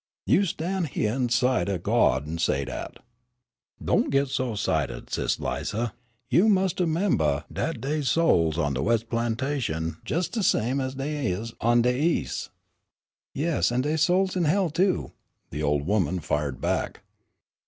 You stan' hyeah in sight o' Gawd an' say dat?" "Don't git so 'cited, sis' Lize, you mus' membah dat dey's souls on de wes' plantation, jes' same as dey is on de eas'." "Yes, an' dey's souls in hell, too," the old woman fired back.